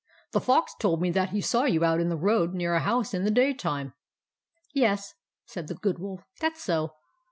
The Fox told me that he saw you out in the road near a house in the daytime." " Yes," said the Good Wolf. "That 's so.